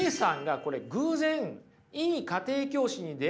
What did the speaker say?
これ。